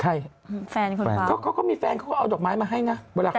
ใครแฟนคุณป๊อปเขาก็มีแฟนเขาก็เอาดอกไม้มาให้นะ